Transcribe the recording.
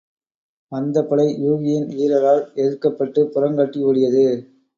வந்தபடை யூகியின் வீரரால் எதிர்க்கப்பட்டுப் புறங்காட்டி ஓடியது.